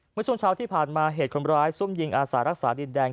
เมื่อช่วงเช้าที่ผ่านมาเหตุคนร้ายซุ่มยิงอาสารักษาดินแดง